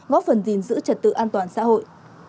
góp phần gìn giữ trật tự an toàn xã hội